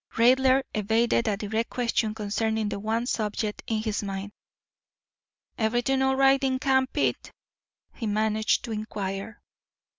Raidler evaded a direct question concerning the one subject in his mind. "Everything all right in camp, Pete?" he managed to inquire.